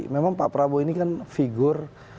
memang pak prabowo ini kan figur